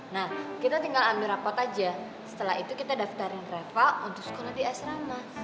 nah kita tinggal ambil rapot aja setelah itu kita daftarin reva untuk sekolah di asrama